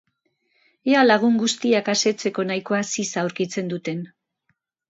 Ea lagun guztiak asetzeko nahikoa ziza aurkitzen duten.